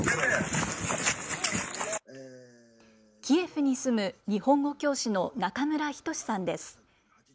キエフに住む日本語教師の中村仁さんです。